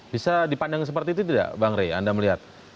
bisa dipandang seperti itu tidak bang rey anda melihat